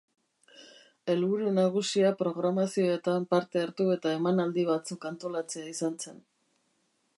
Helburu nagusia programazioetan parte hartu eta emanaldi batzuk antolatzea izan zen.